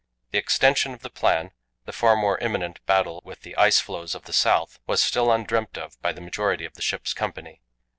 The extension of the plan the far more imminent battle with the ice floes of the South was still undreamt of by the majority of the ship's company.